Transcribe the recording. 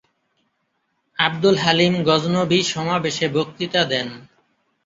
আবদুল হালিম গজনভি সমাবেশে বক্তৃতা দেন।